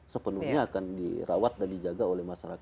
sepenuhnya akan dirawat dan dijaga oleh masyarakat